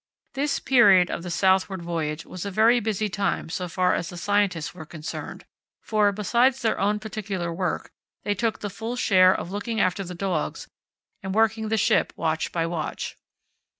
This period of the southward voyage was a very busy time so far as the scientists were concerned, for, besides their own particular work, they took the full share of looking after the dogs and working the ship watch by watch.